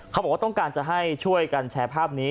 เขาบอกว่าต้องการจะให้ช่วยกันแชร์ภาพนี้